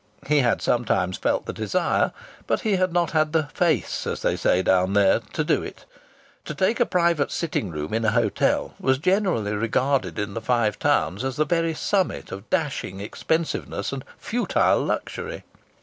He had sometimes felt the desire, but he had not had the "face" as they say down there to do it. To take a private sitting room in a hotel was generally regarded in the Five Towns as the very summit of dashing expensiveness and futile luxury.